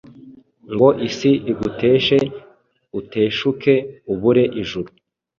Ngo isi iguteshe uteshuke ubure ijuru